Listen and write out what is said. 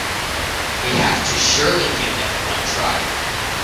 We have to surely give them one try.